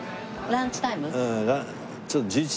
ランチタイムで。